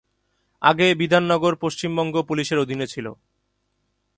আগে বিধাননগর পশ্চিমবঙ্গ পুলিশের অধীনে ছিল।